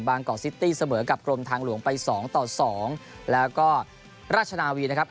บางกอร์ซิตี้เสมอกับกลมทางหลวงไป๒ตอน๒แล้วก็ราชนาวีนะครับ